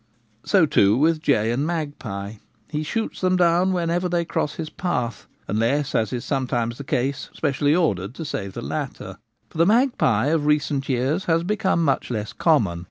So too with jay and magpie ; he shoots them 126 The Gamekeeper at Home. down whenever they cross his path, unless, as is sometimes the case, specially ordered to save the latter, For the magpie of recent years has become much less common.